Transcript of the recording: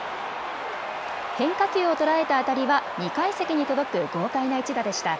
変化球を捉えた当たりは２階席に届く豪快な一打でした。